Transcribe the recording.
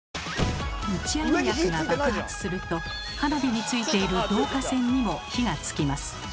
打ち上げ薬が爆発すると花火についている導火線にも火がつきます。